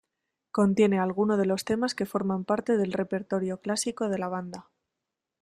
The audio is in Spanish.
Contiene algunos de los temas que forman parte del repertorio clásico de la banda.